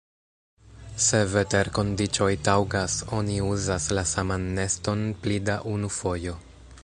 Se veterkondiĉoj taŭgas, oni uzas la saman neston pli da unu fojo.